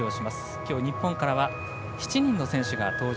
今日日本からは７人の選手が登場。